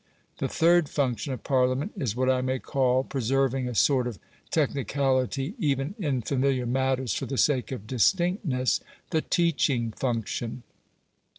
The third function of Parliament is what I may call preserving a sort of technicality even in familiar matters for the sake of distinctness the teaching function.